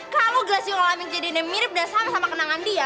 kalau gracio alami kejadiannya mirip dan sama sama kenangan dia